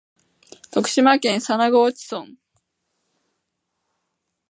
徳島県佐那河内村